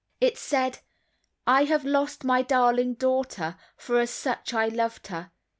It said "I have lost my darling daughter, for as such I loved her.